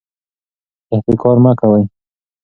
احتکار مه کوئ.